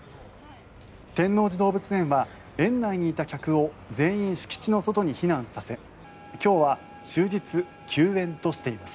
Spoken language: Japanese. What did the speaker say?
天王寺動物園は園内にいた客を全員敷地の外に避難させ今日は終日休園としています。